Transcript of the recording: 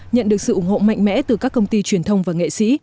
nhận được sự ủng hộ mạnh mẽ từ các công ty truyền thông và nghệ sĩ